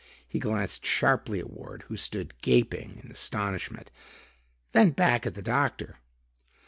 He glanced sharply at Ward, who stood gaping in astonishment, then back at the doctor.